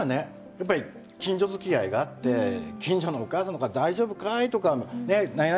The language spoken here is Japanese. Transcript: やっぱり近所づきあいがあって近所のおかあさん大丈夫かい？とか何々